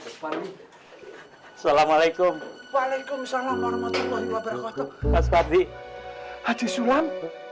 pak fadli assalamualaikum waalaikumsalam warahmatullahi wabarakatuh mas fadli haji sulam